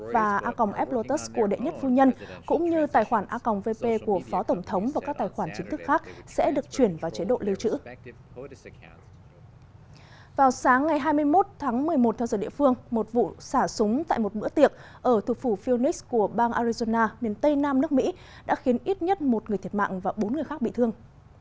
vào sáng ngày hai mươi một tháng một mươi một theo giờ địa phương một vụ xả súng tại một bữa tiệc ở thủ phủ phoenix của bang arizona miền tây nam nước mỹ đã khiến ít nhất một người thiệt mạng và bốn người khác bị thương